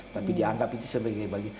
tapi dianggap sebagai